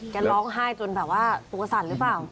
แกร้องไห้จนแบบว่าตัวสั่นหรือเปล่า